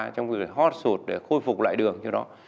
trong việc hót sụt để khôi phục lại đường như đó